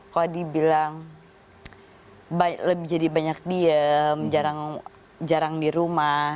kalau dibilang lebih jadi banyak diem jarang di rumah